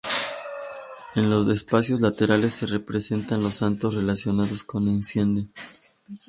En los espacios laterales se representan los santos relacionados con Einsiedeln.